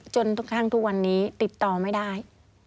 จนทุกทางทุกวันนี้ติดต่อไม่ได้